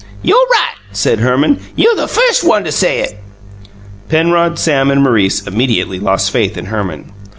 "You' right," said Herman. "You the firs' one to say it." Penrod, Sam, and Maurice immediately lost faith in Herman.